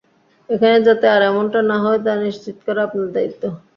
এখানে যাতে আর এমনটা না হয় তা নিশ্চিত করা আপনার দ্বায়িত্ব।